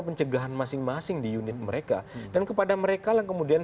pencegahan masing masing di unit mereka dan kepada mereka yang kemudian